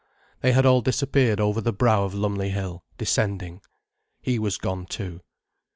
They had all disappeared over the brow of Lumley Hill, descending. He was gone too.